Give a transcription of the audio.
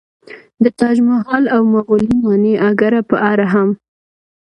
د تاج محل او مغولي ماڼۍ اګره په اړه هم